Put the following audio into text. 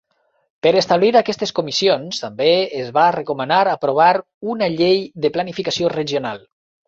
Per establir aquestes comissions, també es va recomanar aprovar una Llei de planificació regional.